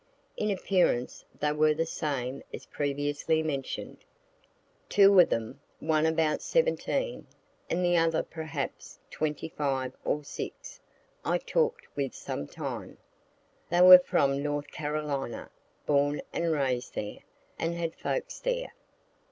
In appearance they were the same as previously mention'd. Two of them, one about 17, and the other perhaps 25 or '6, I talk'd with some time. They were from North Carolina, born and rais'd there, and had folks there.